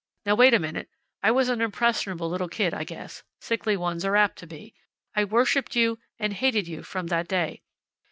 Now, wait a minute. I was an impressionable little kid, I guess. Sickly ones are apt to be. I worshiped you and hated you from that day.